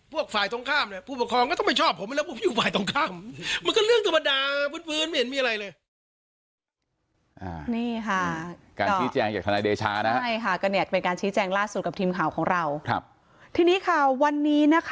พวกฝ่ายตรงข้ามน